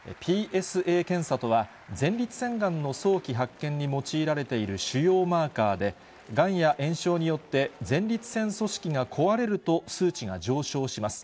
ＰＳＡ検査とは、前立腺がんの早期発見に用いられている腫瘍マーカーで、がんや炎症によって、前立腺組織が壊れると数値が上昇します。